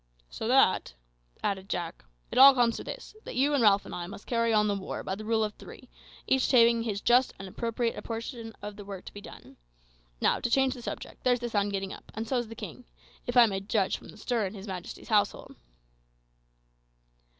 "So that," added Jack, "it all comes to this, that you and Ralph and I must carry on the war by rule of three, each taking his just and appropriate proportion of the work to be done. Now, to change the subject, there's the sun getting up, and so is the king, if I may judge from the stir in his majesty's household."